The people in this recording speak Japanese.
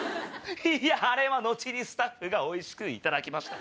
あれは後にスタッフがおいしくいただきました。